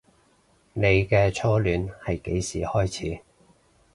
你嘅初戀係幾時開始